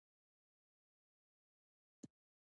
ژوند انرژي غواړي.